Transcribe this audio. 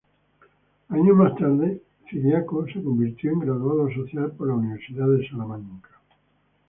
Años más tarde, Ciriaco se convirtió en Graduado Social por la Universidad de Salamanca.